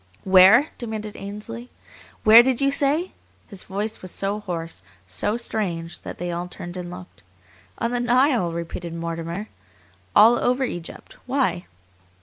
"Where?" demanded Ainsley. "Where did you say?" His voice was so hoarse, so strange, that they all turned and looked. "On the Nile," repeated Mortimer. "All over Egypt. Why?"